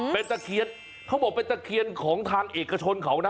เป็นตะเคียนเขาบอกเป็นตะเคียนของทางเอกชนเขานะ